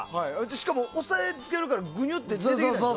しかも、押さえつけるからぐにゅって出てくるでしょ？